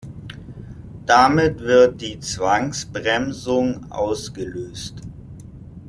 Damit wird die Zwangsbremsung auslöst.